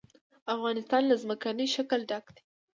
افغانستان له ځمکنی شکل ډک دی.